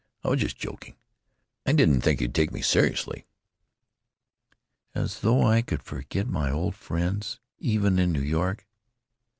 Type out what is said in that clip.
I was just joking. I didn't think you'd take me seriously." "As though I could forget my old friends, even in New York!"